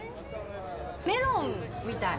メロンみたい。